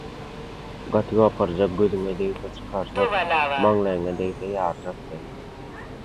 Gaty gapyrjak gözüňe degse çykarjak, maňlaýyňa degse ýarjakdy.